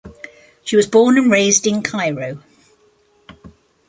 She was born and raised in Cairo.